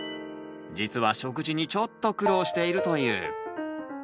実は食事にちょっと苦労しているという。